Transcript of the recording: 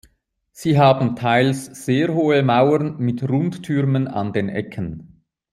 Sie haben teils sehr hohe Mauern mit Rundtürmen an den Ecken.